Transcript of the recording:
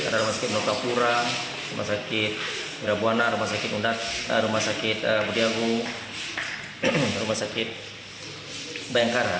ada rumah sakit nurkakura rumah sakit urabuana rumah sakit budiagu rumah sakit bayangkara